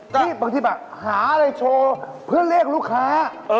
นี่บางทีเปล่าหาอะไรโชว์เพื่อนเลขลูกค้า